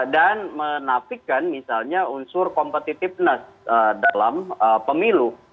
dan menafikan misalnya unsur competitiveness dalam pemilu